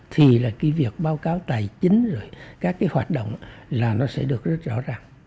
thì là cái việc báo cáo tài chính rồi các cái hoạt động là nó sẽ được rất rõ ràng